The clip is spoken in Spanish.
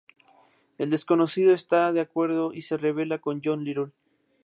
El desconocido está de acuerdo y se revela como John Little.